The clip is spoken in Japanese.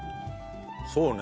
そうね。